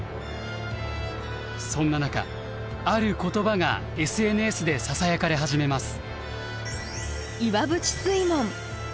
そんな中ある言葉がＳＮＳでささやかれ始めます。